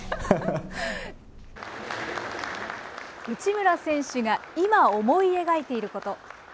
内村選手が今、思い描いていること。